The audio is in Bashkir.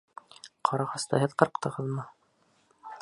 Ҡарағасты һеҙ ҡырҡтығыҙмы?